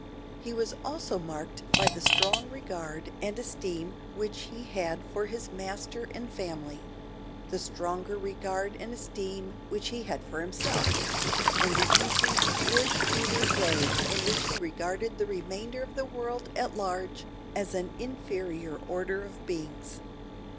He was also marked by the strong regard and esteem which he had for his master and family; the stronger regard and esteem which he had for himself; and the easy, good humoured way in which he regarded the remainder of the world at large as an inferior order of beings.